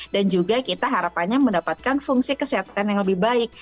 dan juga kita harapannya mendapatkan fungsi kesehatan yang lebih baik